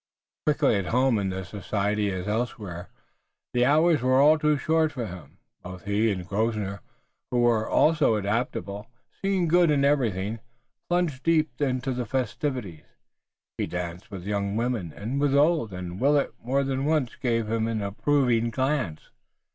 Quickly at home, in this society as elsewhere, the hours were all too short for him. Both he and Grosvenor, who was also adaptable, seeing good in everything, plunged deep into the festivities. He danced with young women and with old, and Willet more than once gave him an approving glance.